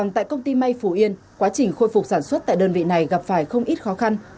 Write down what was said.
tại công ty may phú yên quá trình khôi phục sản xuất tại đơn vị này gặp phải không ít khó khăn